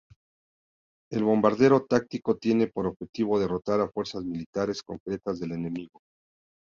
El bombardeo táctico tiene por objetivo derrotar a fuerzas militares concretas del enemigo.